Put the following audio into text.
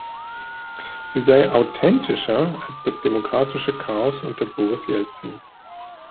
Sie sei „authentischer“ als das demokratische Chaos unter Boris Jelzin.